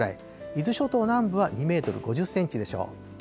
伊豆諸島南部は２メートル５０センチでしょう。